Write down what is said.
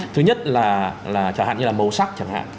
thứ nhất là chẳng hạn như là màu sắc chẳng hạn